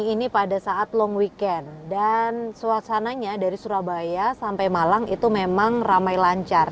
ini pada saat long weekend dan suasananya dari surabaya sampai malang itu memang ramai lancar